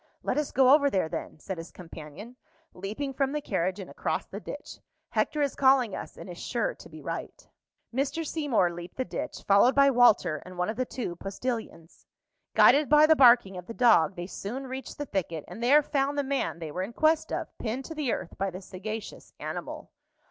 "Let us go over there, then," said his companion, leaping from the carriage and across the ditch. "Hector is calling us, and is sure to be right." [Illustration: "PINNED TO THE EARTH BY THE SAGACIOUS ANIMAL."] Mr. Seymour leaped the ditch, followed by Walter and one of the two postilions. Guided by the barking of the dog, they soon reached the thicket, and there found the man they were in quest of, pinned to the earth by the sagacious animal.